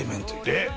えっ！